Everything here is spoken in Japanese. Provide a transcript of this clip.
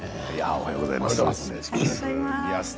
おはようございます。